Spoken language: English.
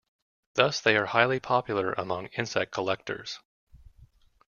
Thus, they are highly popular among insect collectors.